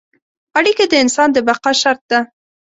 اړیکه د انسان د بقا شرط ده.